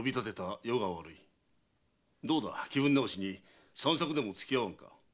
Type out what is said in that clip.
どうだ気分直しに散策でもつき合わんか。